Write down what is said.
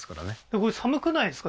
これ寒くないですか？